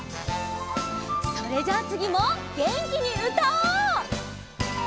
それじゃあつぎもげんきにうたおう！